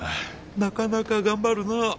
なかなか頑張るな松高は。